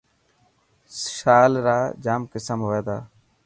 شال را ڄام قصر هئي تا